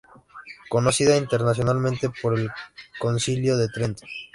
Conocida internacionalmente por el Concilio de Trento.